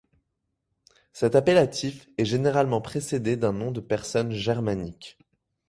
Cet appellatif est généralement précédé d'un nom de personne germanique.